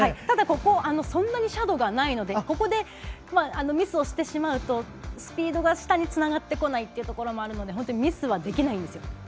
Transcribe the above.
ただ、ここはそんなに斜度がないのでここでミスをしてしまうとスピードが下につながらないのでミスはできないんですよ。